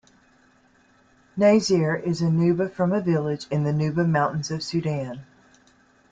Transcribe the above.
Nazer is a Nuba from a village in the Nuba mountains of Sudan.